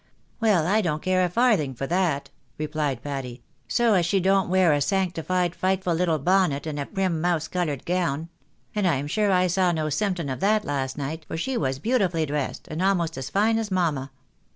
" Well, I don't care a farthing for that," replied Patty, " so as she don't Avear a sanctified, frightful little bonnet, and a prim mouse coloured gown ; and I am sure I saw no symptom of that last night, for she was beautifully dressed, and almost as fine as mamma."